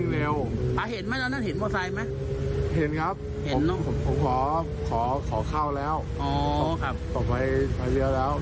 แล้วมอเตอร์ไซค์เข้ามาทางตรงหรือเข้าออกจากซอยครับ